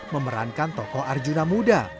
memerankan tokoh arjuna muda